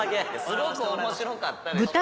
すごく面白かったでしょうよ。